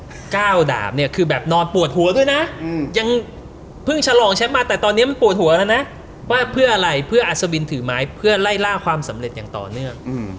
เก้าดาบเนี่ยคือแบบนอนปวดหัวด้วยนะยังเพิ่งฉลองแชมป์มาแต่ตอนนี้มันปวดหัวแล้วนะว่าเพื่ออะไรเพื่ออัศวินถือไม้เพื่อไล่ล่าความสำเร็จอย่างต่อเนื่อง